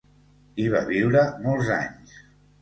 Hi va viure molts anys.